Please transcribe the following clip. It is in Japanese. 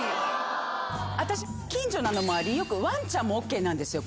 私近所なのもありワンちゃんもＯＫなんですよ